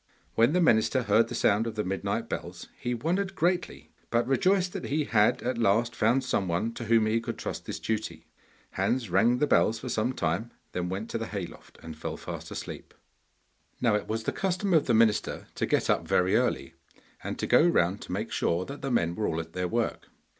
When the minister heard the sound of the midnight bells he wondered greatly, but rejoiced that he had at last found some one to whom he could trust this duty. Hans rang the bells for some time, then went to the hay loft, and fell fast asleep. Now it was the custom of the minister to get up very early, and to go round to make sure that the men were all at their work.